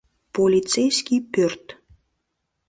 — Полицейский пӧрт.